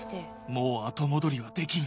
もう後戻りはできん。